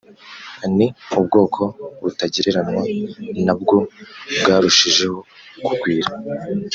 ni ubwoko butagereranywa na bwo bwarushijeho kugwira